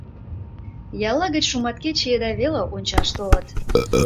Ялла гыч шуматкече еда веле ончаш толыт.